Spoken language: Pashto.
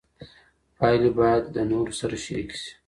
پايلې بايد له نورو سره شريکي سي.